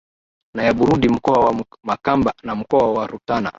na ya Burundi mkoa wa Makamba na mkoa wa Rutana